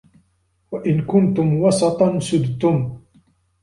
وَإِنْ كُنْتُمْ وَسَطًا سُدْتُمْ